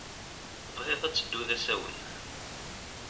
Bɣiɣ ad teddu d asawen.